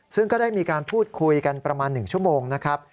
ซึ่งก็ได้มีการพูดคุยกันประมาณ๑ชั่วโมงนะครับ